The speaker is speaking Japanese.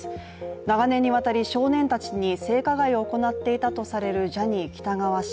長年にわたり少年たちに性加害を行っていたとされるジャニー喜多川氏。